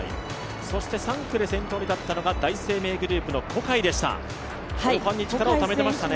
そして３区で先頭に立ったのが第一生命グループの小海でした。